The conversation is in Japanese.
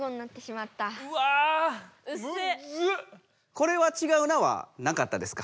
これは「ちがうな」はなかったですか？